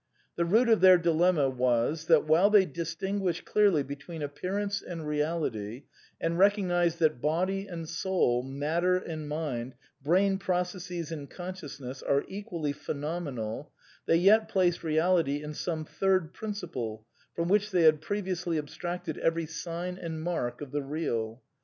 The root of their dilemma was that, while they distin guished clearly between appearance and reality, and recog nized that body and soul, matter and mind, brain processes and consciousness, are equally phenomenal, they yet placed Reality in some Third Principle from which they had previously abstracted every sign and mark of the Real.